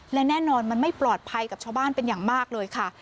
และแน่นอนมันไม่ปลอดภัยกับชาวบ้านเป็นอย่างมากเลยค่ะ